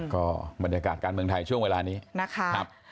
ก็บรรยากาศการเมืองไทยช่วงเวลานี้นะครับ